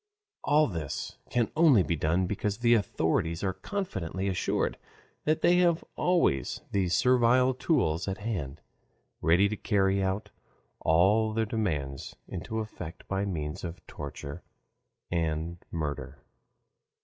All this can only be done because the authorities are confidently assured that they have always these servile tools at hand, ready to carry all their demands into effect by means of torture and murder.